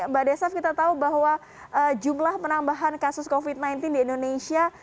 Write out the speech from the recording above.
mbak desaf kita tahu bahwa jumlah penambahan kasus covid sembilan belas di indonesia